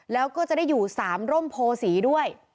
แล้วก็จะได้อยู่๓ร่มโพศีด้วย